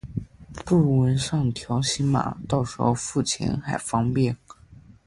不如纹上条形码，到时候付钱还方便